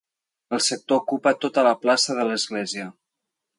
El sector ocupa tota la plaça de l'església.